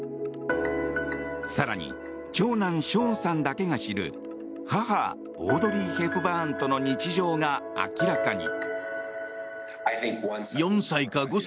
更に長男ショーンさんだけが知る母オードリー・ヘプバーンとの日常が明らかに。